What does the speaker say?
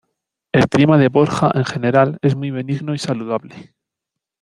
El clima de Borja, en general, es muy benigno y saludable.